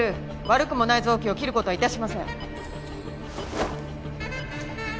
悪くもない臓器を切る事は致しません。